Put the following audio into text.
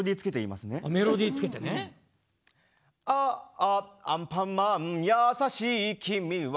「ああアンパンマンやさしい君は」